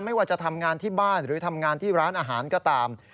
ไม่ว่าจะทำงานที่บ้านหรือทำงานที่ร้านอาหารก็ตาม